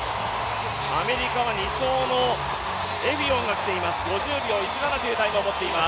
アメリカは２走がきています、５０秒１７というタイムを持っています。